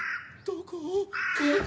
どこ？